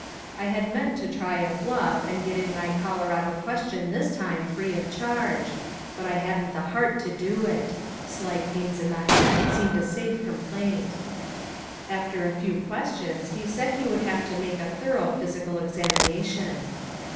I had meant to try a bluff and get in my Colorado question this time free of charge; but I hadn't the heart to do it. Slight pains in the head seemed a safe complaint. After a few questions he said he would have to make a thorough physical examination.